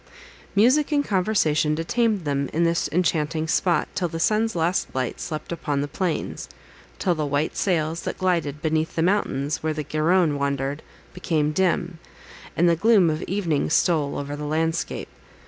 Music and conversation detained them in this enchanting spot, till the sun's last light slept upon the plains; till the white sails that glided beneath the mountains, where the Garonne wandered, became dim, and the gloom of evening stole over the landscape.